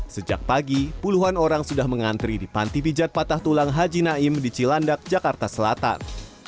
sejak pagi puluhan orang sudah mengantri di panti pijat patah tulang haji naim di cilandak jakarta selatan